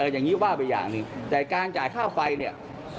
อย่างนี้ว่าไปอย่างหนึ่งแต่การจ่ายค่าไฟเนี่ย